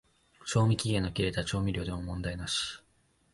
賞味期限の切れた調味料でも問題なし